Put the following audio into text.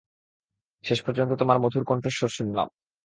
শেষ পর্যন্ত তোমার মধুর কন্ঠস্বর শুনলাম।